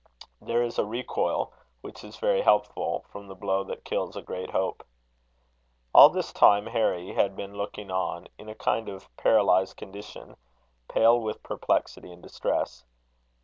There is a recoil which is very helpful, from the blow that kills a great hope. All this time Harry had been looking on, in a kind of paralysed condition, pale with perplexity and distress.